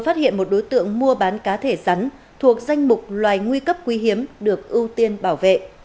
phát hiện một đối tượng mua bán cá thể rắn thuộc danh mục loài nguy cấp quý hiếm được ưu tiên bảo vệ